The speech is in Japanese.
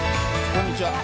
こんにちは。